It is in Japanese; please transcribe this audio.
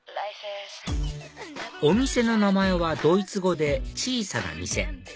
お店の名前はドイツ語で「小さな店」